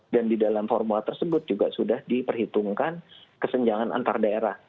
dan di dalam formula tersebut juga sudah diperhitungkan kesenjangan antar daerah